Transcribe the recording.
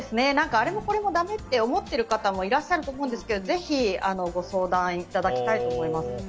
あれもこれもだめって思ってる方もいらっしゃると思うんですけどぜひご相談いただきたいと思います。